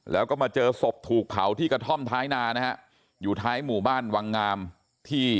แล้วก็มาเจอศพถูกเผาที่กระท่อมท้ายนานะฮะอยู่ท้ายหมู่บ้านวังงามที่